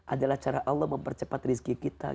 adalah cara allah mempercepat rezeki kita